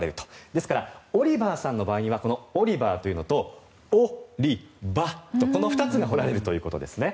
ですからオリバーさんの場合にはオリバーというのと、雄理場とこの２つが彫られるということですね。